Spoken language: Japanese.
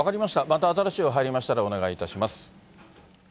また新しいのが入りましたらお願いします。